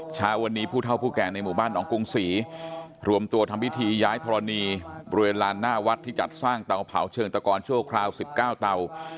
เช้าวันนี้ผู้เท่าผู้แก่ในหมู่บ้านหนองกรุงศรีรวมตัวทำพิธีย้ายธรณีบริเวณลานหน้าวัดที่จัดสร้างเตาเผาเชิงตะกอนชั่วคราว๑๙เตา